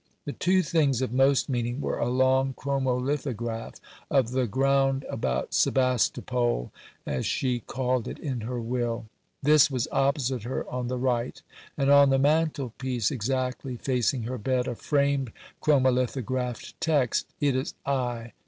The two things of most meaning were a long chromolithograph of 'the ground about Sebastopol,' as she called it in her Will this was opposite her on the right; and, on the mantelpiece, exactly facing her bed, a framed chromolithographed text, 'It is I.